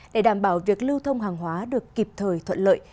để đảm bảo việc lưu thông hàng hóa được kịp thời thuận lợi